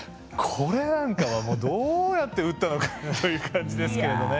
これなんかはどうやって打ったのかという感じですけれどね。